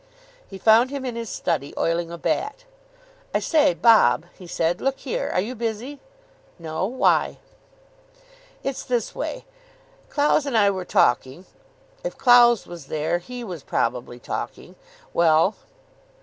He found him in his study, oiling a bat. "I say, Bob," he said, "look here. Are you busy?" "No. Why?" "It's this way. Clowes and I were talking " "If Clowes was there he was probably talking. Well?"